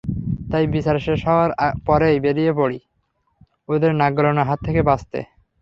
তাই বিচার শেষ হওয়ার পরেই বেরিয়ে পড়ি, ওদের নাক গলানোর হাত থেকে বাঁচতে।